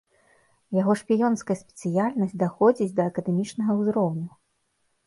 Яго шпіёнская спецыяльнасць даходзіць да акадэмічнага ўзроўню.